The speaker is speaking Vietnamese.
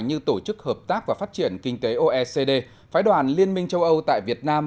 như tổ chức hợp tác và phát triển kinh tế oecd phái đoàn liên minh châu âu tại việt nam